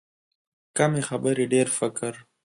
کمې خبرې، ډېر فکر.